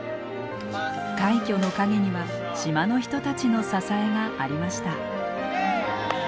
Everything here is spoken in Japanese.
快挙の陰には島の人たちの支えがありました。